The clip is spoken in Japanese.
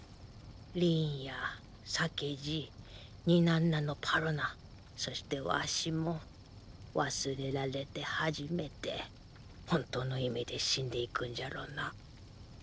リーンや酒爺ニナンナのパロナそしてワシも忘れられて初めて本当の意味で死んでいくんじゃろうな。